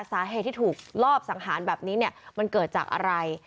สาเหตุที่ถูกลอบสังหารแบบนี้เนี่ยมันเกิดจากอะไร